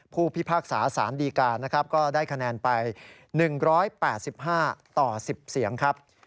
ผู้พิพากษาสารดีการนะครับก็ได้คะแนนไป๑๘๕ต่อ๑๐เสียงครับ